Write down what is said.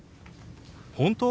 本当？